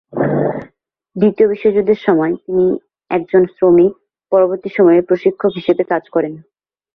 দ্বিতীয় বিশ্বযুদ্ধের সময় তিনি একজন শ্রমিক, পরবর্তী সময় প্রশিক্ষক হিসেবে কাজ করেন।